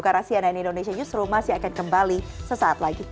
karena cnn indonesia newsroom masih akan kembali sesaat lagi